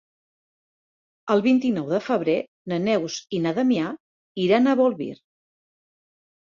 El vint-i-nou de febrer na Neus i na Damià iran a Bolvir.